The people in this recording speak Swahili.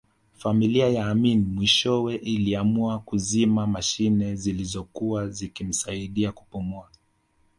Familia ya Amin mwishowe iliamua kuzima mashine zilizokuwa zikimsaidia kupumua